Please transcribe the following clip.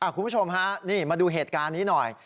คุณผู้ชมฮะนี่มาดูเหตุการณ์นี้หน่อย